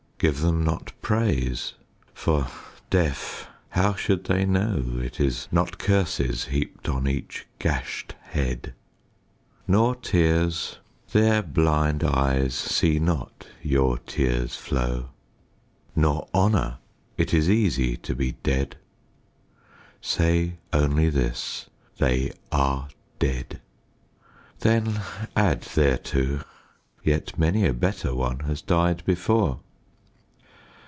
Give them not praise. For, deaf, how should they know It is not curses heaped on each gashed head ? Nor tears. Their blind eyes see not your tears flow. Nor honour. It is easy to be dead. Say only this, " They are dead." Then add thereto, " Yet many a better one has died before."